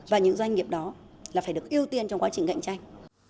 và những doanh nghiệp đó là phải được ưu tiên trong quá trình cạnh tranh